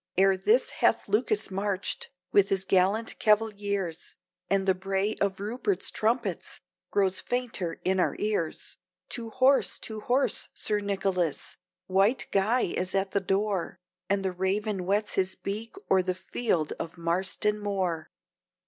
Ere this hath Lucas marched, with his gallant cavaliers, And the bray of Rupert's trumpets grows fainter in our ears. To horse! to horse! Sir Nicholas! White Guy is at the door, And the raven whets his beak o'er the field of Marston Moor.